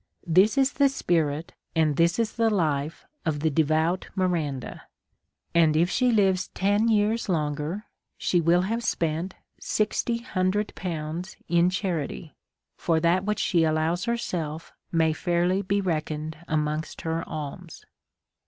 This is the spirit, and this is the life of the devout Miranda ; and if she lives ten years longer she will have spent sixty hundred pounds in charity, for that which she allows herself may be fairly reckoned amongst her alms.